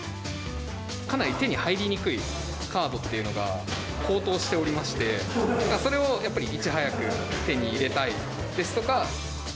かなり手に入りにくいカードというのが高騰しておりまして、それをやっぱりいち早く手に入れたいですとか。